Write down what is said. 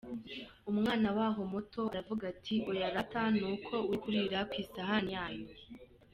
Umwana waho muto aravuga ati"Oya rata, nuko uri kurira ku isahani yayo".